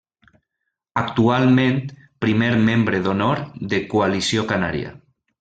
Actualment primer membre d'Honor de Coalició Canària.